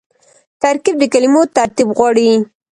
ترکیب د کلمو ترتیب غواړي.